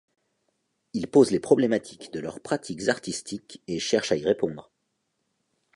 Ils posent les problématiques de leurs pratiques artistiques et cherchent à y répondre.